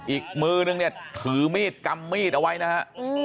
อีกมือนึงเนี่ยถือมีดกำมีดเอาไว้นะฮะ